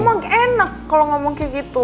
ya kamu mau enak kalau ngomong kayak gitu